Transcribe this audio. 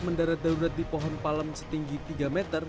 mendarat darurat di pohon palem setinggi tiga meter